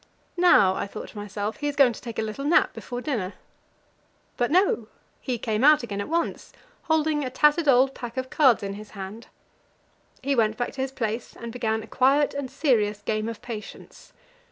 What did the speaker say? Now, I thought to myself, he is going to take a little nap before dinner. But no; he came out again at once, holding a tattered old pack of cards in his hand. He went back to his place, and began a quiet and serious game of patience.